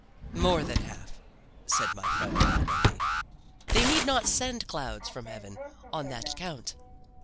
"More than half," said my friend Annabel Lee. "They need not send clouds from heaven on that account."